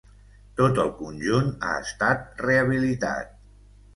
Tot el conjunt ha estat rehabilitat.